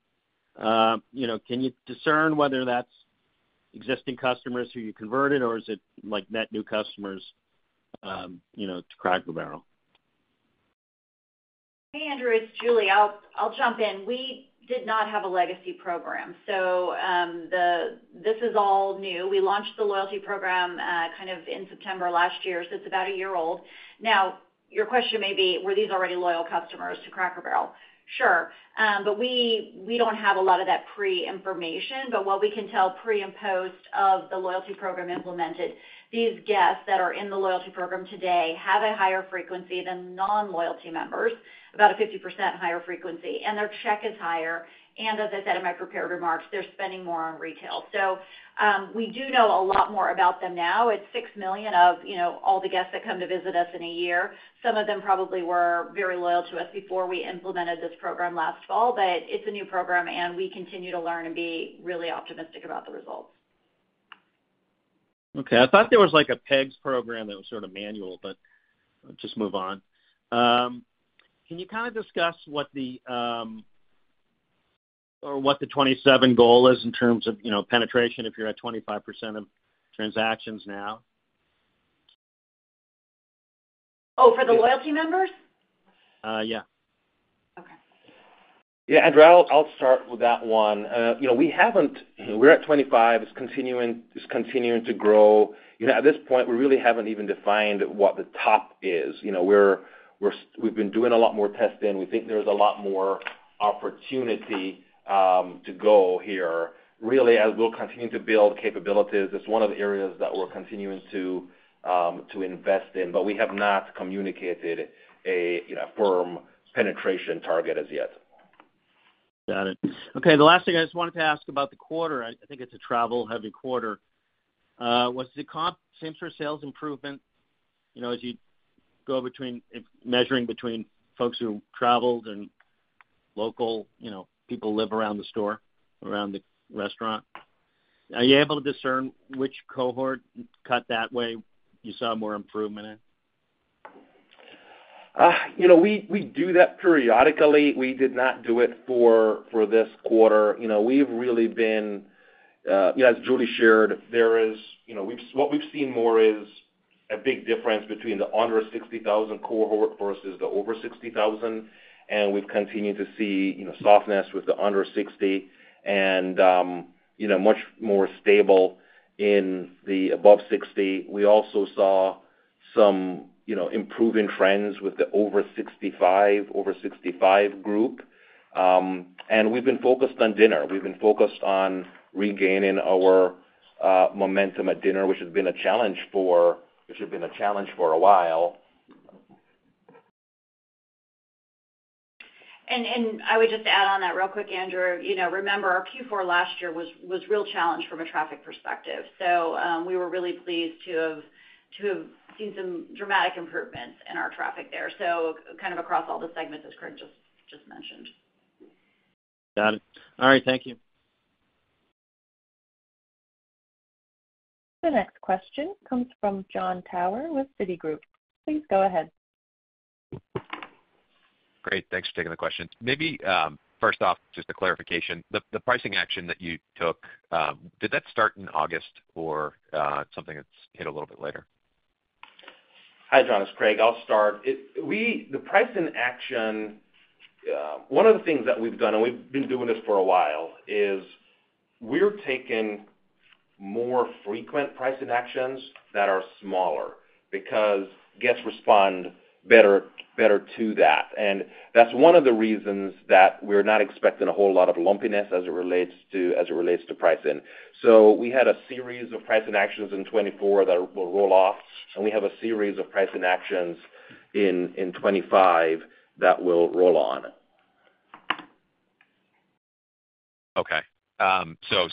you know, can you discern whether that's existing customers who you converted, or is it, like, net new customers, you know, to Cracker Barrel? Hey, Andrew, it's Julie. I'll jump in. We did not have a legacy program, so this is all new. We launched the loyalty program kind of in September last year, so it's about a year old. Now, your question may be: Were these already loyal customers to Cracker Barrel? Sure, but we don't have a lot of that pre-information. But what we can tell pre and post of the loyalty program implemented, these guests that are in the loyalty program today have a higher frequency than non-loyalty members, about a 50% higher frequency, and their check is higher. And as I said in my prepared remarks, they're spending more on retail. So we do know a lot more about them now. It's six million of, you know, all the guests that come to visit us in a year. Some of them probably were very loyal to us before we implemented this program last fall, but it's a new program, and we continue to learn and be really optimistic about the results. Okay. I thought there was like a Pegs program that was sort of manual, but I'll just move on. Can you kind of discuss what the, or what the 27 goal is in terms of, you know, penetration if you're at 25% of transactions now? Oh, for the loyalty members? Uh, yeah. Okay. Yeah, Andrew, I'll start with that one. You know, we haven't... We're at 25. It's continuing to grow. You know, at this point, we really haven't even defined what the top is. You know, we've been doing a lot more testing. We think there's a lot more opportunity to go here. Really, as we'll continue to build capabilities, it's one of the areas that we're continuing to invest in, but we have not communicated a firm penetration target as yet. Got it. Okay, the last thing I just wanted to ask about the quarter, I think it's a travel-heavy quarter. Was the comp same for sales improvement, you know, as you go between, if measuring between folks who traveled and local, you know, people live around the store, around the restaurant? Are you able to discern which cohort cut that way you saw more improvement in? You know, we do that periodically. We did not do it for this quarter. You know, we've really been, you know, as Julie shared, what we've seen more is a big difference between the under sixty thousand cohort versus the over sixty thousand, and we've continued to see, you know, softness with the under sixty and, you know, much more stable in the above sixty. We also saw some, you know, improving trends with the over sixty-five group. We've been focused on dinner. We've been focused on regaining our momentum at dinner, which has been a challenge for a while. I would just add on that real quick, Andrew. You know, remember, our Q4 last year was real challenged from a traffic perspective. So, we were really pleased to have seen some dramatic improvements in our traffic there, so kind of across all the segments, as Craig just mentioned. Got it. All right. Thank you. The next question comes from Jon Tower with Citigroup. Please go ahead. Great. Thanks for taking the question. Maybe, first off, just a clarification. The pricing action that you took, did that start in August or something that's hit a little bit later? Hi, Jon, it's Craig. I'll start. The pricing action, one of the things that we've done, and we've been doing this for a while, is we're taking more frequent pricing actions that are smaller because guests respond better to that. And that's one of the reasons that we're not expecting a whole lot of lumpiness as it relates to pricing. So we had a series of pricing actions in 2024 that will roll off, and we have a series of pricing actions in 2025 that will roll on. Okay. So,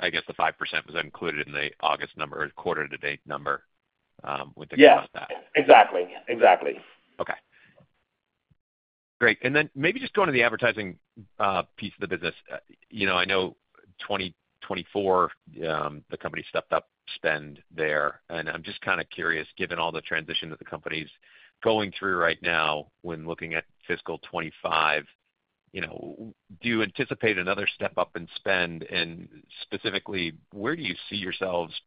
I guess, the 5% was included in the August number, quarter-to-date number, with the- Yeah. -about that. Exactly, exactly. Okay. Great, and then maybe just going to the advertising piece of the business. You know, I know 2024, the company stepped up spend there, and I'm just kind of curious, given all the transition that the company's going through right now, when looking at fiscal 2025, you know, do you anticipate another step up in spend? And specifically, where do you see yourselves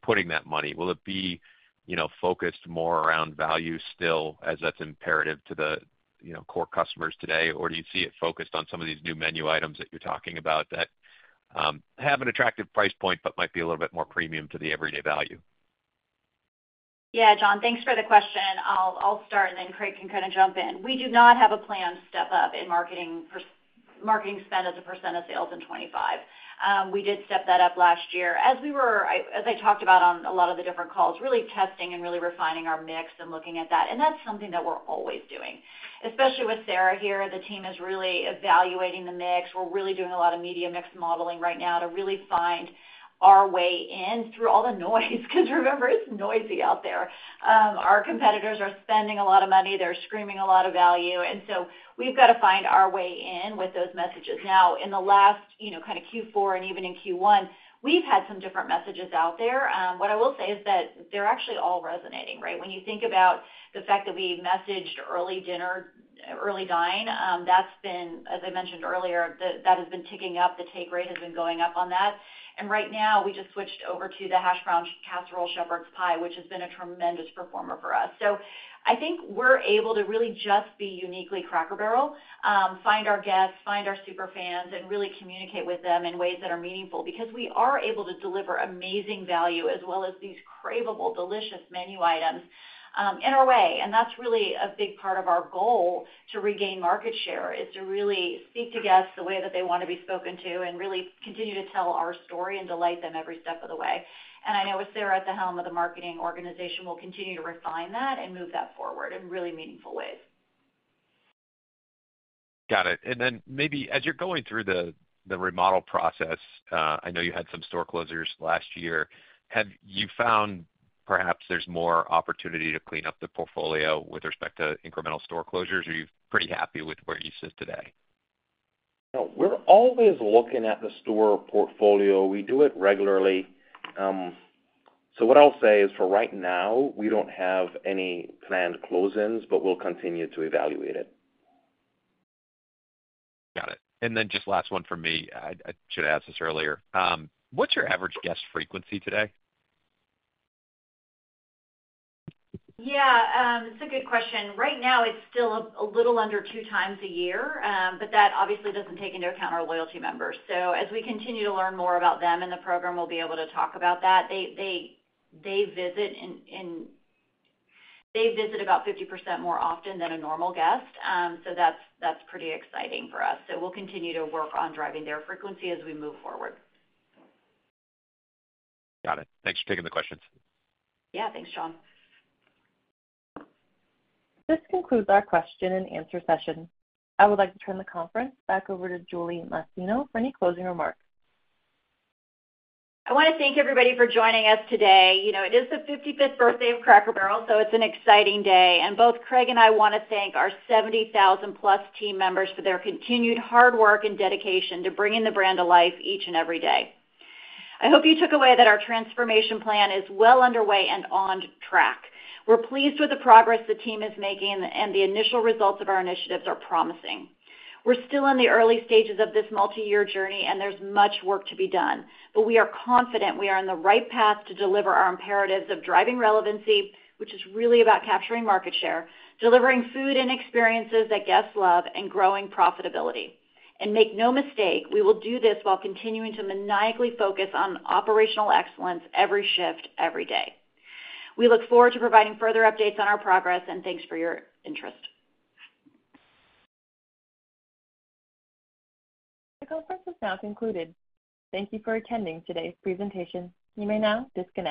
putting that money? Will it be, you know, focused more around value still, as that's imperative to the, you know, core customers today? Or do you see it focused on some of these new menu items that you're talking about that have an attractive price point but might be a little bit more premium to the everyday value? Yeah, John, thanks for the question. I'll start, and then Craig can kind of jump in. We do not have a plan to step up in marketing spend as a % of sales in 2025. We did step that up last year. As I talked about on a lot of the different calls, really testing and really refining our mix and looking at that, and that's something that we're always doing. Especially with Sarah here, the team is really evaluating the mix. We're really doing a lot of media mix modeling right now to really find our way in through all the noise because remember, it's noisy out there. Our competitors are spending a lot of money. They're screaming a lot of value, and so we've got to find our way in with those messages. Now, in the last, you know, kind of Q4 and even in Q1, we've had some different messages out there. What I will say is that they're actually all resonating, right? When you think about the fact that we messaged early dinner, Early Dine, that's been, as I mentioned earlier, that has been ticking up. The take rate has been going up on that. And right now, we just switched over to the Hash Brown Casserole Shepherd's Pie, which has been a tremendous performer for us. So I think we're able to really just be uniquely Cracker Barrel, find our guests, find our super fans, and really communicate with them in ways that are meaningful because we are able to deliver amazing value as well as these craveable, delicious menu items, in our way. That's really a big part of our goal to regain market share, is to really speak to guests the way that they want to be spoken to and really continue to tell our story and delight them every step of the way. I know with Sarah at the helm of the marketing organization, we'll continue to refine that and move that forward in really meaningful ways. Got it. And then maybe as you're going through the remodel process, I know you had some store closures last year. Have you found perhaps there's more opportunity to clean up the portfolio with respect to incremental store closures, or are you pretty happy with where you sit today? No, we're always looking at the store portfolio. We do it regularly, so what I'll say is, for right now, we don't have any planned closings, but we'll continue to evaluate it. Got it. And then just last one from me. I should have asked this earlier. What's your average guest frequency today? Yeah, it's a good question. Right now, it's still a little under two times a year, but that obviously doesn't take into account our loyalty members. So as we continue to learn more about them in the program, we'll be able to talk about that. They visit about 50% more often than a normal guest. So that's pretty exciting for us. So we'll continue to work on driving their frequency as we move forward. Got it. Thanks for taking the questions. Yeah. Thanks, Jon. This concludes our question-and-answer session. I would like to turn the conference back over to Julie Masino for any closing remarks. I wanna thank everybody for joining us today. You know, it is the fifty-fifth birthday of Cracker Barrel, so it's an exciting day, and both Craig and I want to thank our seventy thousand-plus team members for their continued hard work and dedication to bringing the brand to life each and every day. I hope you took away that our transformation plan is well underway and on track. We're pleased with the progress the team is making, and the initial results of our initiatives are promising. We're still in the early stages of this multiyear journey, and there's much work to be done, but we are confident we are on the right path to deliver our imperatives of driving relevancy, which is really about capturing market share, delivering food and experiences that guests love, and growing profitability. Make no mistake, we will do this while continuing to maniacally focus on operational excellence every shift, every day. We look forward to providing further updates on our progress, and thanks for your interest. The conference is now concluded. Thank you for attending today's presentation. You may now disconnect.